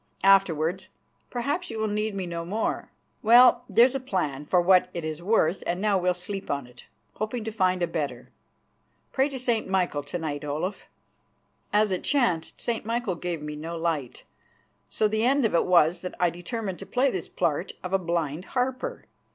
"Afterwards, perhaps, you will need me no more. Well, there's a plan, for what it is worth, and now we'll sleep on it, hoping to find a better. Pray to St. Michael to night, Olaf." As it chanced, St. Michael gave me no light, so the end of it was that I determined to play this part of a blind harper.